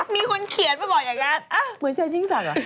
มีคนเขียนแบบบอกอย่างนั้น